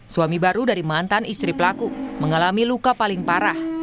suami baru dari mantan istri pelaku mengalami luka paling parah